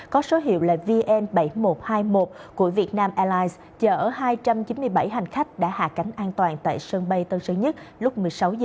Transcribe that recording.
có số hiệu là vn bảy nghìn một trăm hai mươi một của việt nam airlines chở hai trăm chín mươi bảy hành khách đã hạ cánh an toàn tại sân bay tân sơn nhất lúc một mươi sáu h